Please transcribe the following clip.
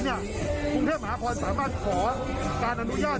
กรุงเทพมหานครสามารถขอการอนุญาต